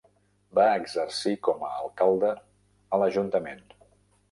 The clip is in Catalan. Va exercir com a alcalde a l'ajuntament.